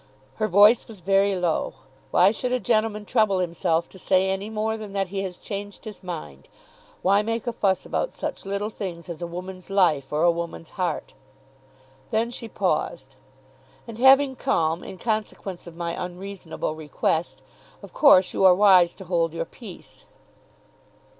Her voice was very low. "Why should a gentleman trouble himself to say any more, than that he has changed his mind? Why make a fuss about such little things as a woman's life, or a woman's heart?" Then she paused. "And having come, in consequence of my unreasonable request, of course you are wise to hold your peace."